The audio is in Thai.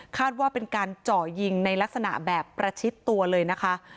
ว่าเป็นการเจาะยิงในลักษณะแบบประชิดตัวเลยนะคะ